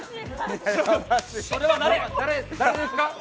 それは誰ですか？